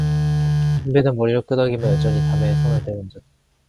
선비는 머리를 끄덕이며 여전히 담에 손을 대고 앉았다.